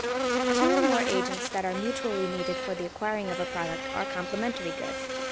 Two or more agents that are mutually needed for the acquiring of a product are complementary goods.